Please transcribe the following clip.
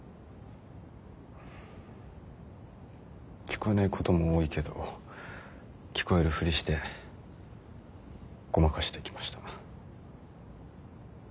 聞こえないことも多いけど聞こえるふりしてごまかしてきました。